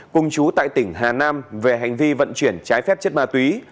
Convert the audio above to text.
cùng chú tại tỉnh hà nam về hành vi vận chuyển trái phép chất ma túy